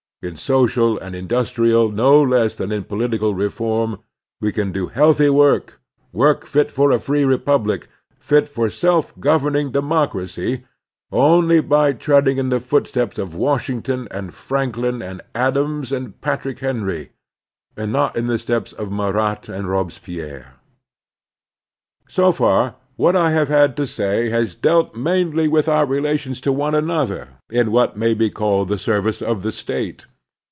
In social and indus trial no less than in political reform we can do healthy work, work fit for a free republic, fit for self governing democracy, only by treading in the Christian Citizenship 313 footsteps of Washington and Franklin and Adams and Patrick Henry, and not in the steps of Marat and Robespierre. So far, what I have had to say has dealt mainly with our relations to one another in what may be called the service of the State.